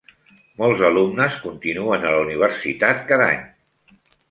Molts alumnes continuen a la Universitat cada any.